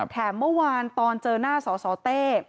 เมื่อวานตอนเจอหน้าสสเต้